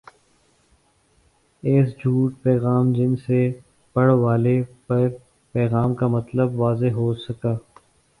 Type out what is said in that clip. S چھوٹ پیغام جن سے پڑھ والے پر پیغام کا مطلب واضح ہو سکہ